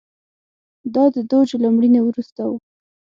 دا د دوج له مړینې وروسته و